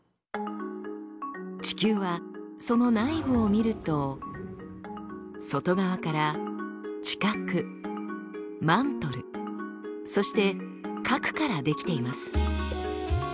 地球はその内部を見ると外側から地殻マントルそして核から出来ています。